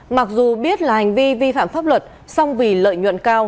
mặc dù biết là hành vi vi phạm pháp luật song vì lợi nhuận cao